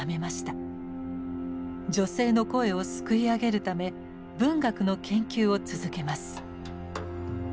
女性の声をすくい上げるため文学の研究を続けます。